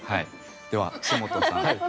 では岸本さん。